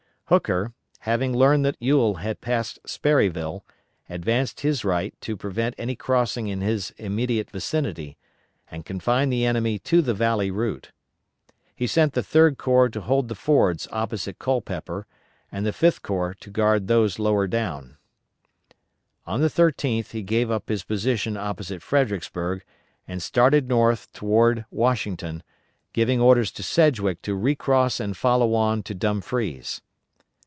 Hooker, having learned that Ewell had passed Sperryville, advanced his right to prevent any crossing in his immediate vicinity, and confine the enemy to the Valley route. He sent the Third Corps to hold the fords opposite Culpeper, and the Fifth Corps to guard those lower down. On the 13th he gave up his position opposite Fredericksburg, and started north toward Washington, giving orders to Sedgwick to recross and follow on to Dumfries.